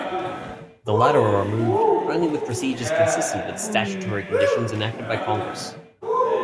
The latter are removed only with procedures consistent with statutory conditions enacted by Congress.